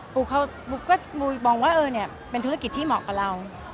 ปูก็บอกว่าเป็นธุรกิจที่เหมาะกับเรา